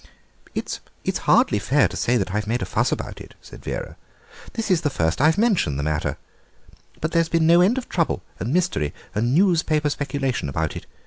"It's hardly fair to say that I've made a fuss about it," said Vera; "this is the first time I've mentioned the matter, but there's been no end of trouble and mystery and newspaper speculation about it.